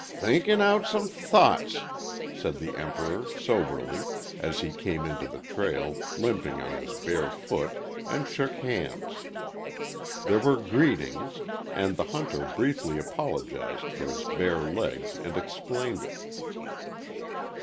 "Thinkin' out some th thoughts," said the Emperor, soberly, as he came into the trail, limping on his bare foot, and shook hands. There were greetings, and the hunter briefly apologized for his bare leg and explained it.